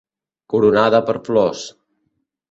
Coronada per flors.